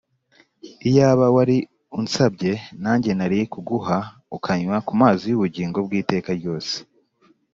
. Iyaba wari unsabye, nanjye nari kuguha ukanywa ku mazi y’ubugingo bw’iteka ryose.